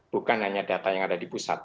bukan hanya data yang ada di pusat